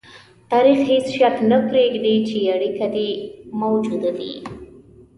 تاریخ هېڅ شک نه پرېږدي چې اړیکه دې موجوده وي.